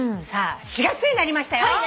さあ４月になりましたよ。